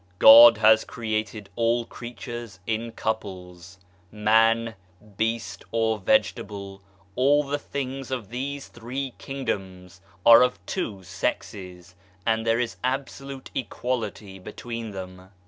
God has created all creatures in couples. Man, Beast, or Vegetable, all the things of these three kingdoms are of two sexes, and there is absolute equality between them.